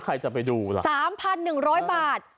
ใครจะไปดูล่ะ๓๑๐๐บาท